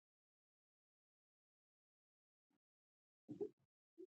سړي په بېړه وويل: خان صيب، ماته يې پرېږده، اوبه زه لګوم!